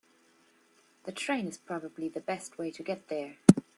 The train is probably the best way to get there.